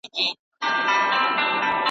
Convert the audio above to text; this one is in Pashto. هغه نجلۍ چې په لاسونو نکریزې ږدي خوشاله ده.